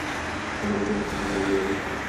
আরে, যতই মিথ্যা বলো, আমি দরজা খুলব না।